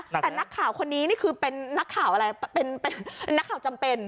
แต่นักข่าวคนนี้นี่คือเป็นนักข่าวอะไรเป็นนักข่าวจำเป็น